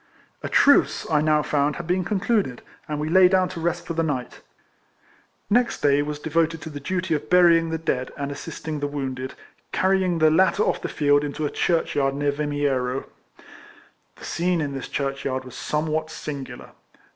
A truce, I now found, had been concluded, and we lay down to rest for the night. Next day was devoted to the duty of burying the dead and assisting the wounded, carrying the latter off the field into a churchyard near Yimiero. RIFLEMAN HARRIS. 91 The scene in this churchyard was some what singular.